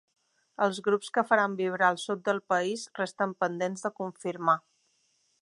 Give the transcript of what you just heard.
Els grups que faran vibrar el sud del país resten pendents de confirmar.